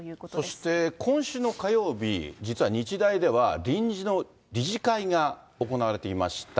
そして今週の火曜日、実は日大では、臨時の理事会が行われていました。